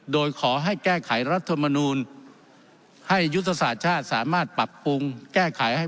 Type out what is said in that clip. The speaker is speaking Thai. โดยขอให้แก้ไขรัฐมนูลให้ยุทธศาสตร์ชาติสามารถปรับปรุงแก้ไขให้